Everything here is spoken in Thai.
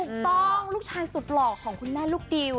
ลูกชายสุดหล่อของคุณแม่ลูกดิว